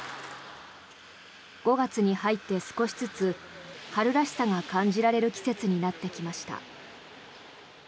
５月に入って少しずつ春らしさが感じられる季節になってきました。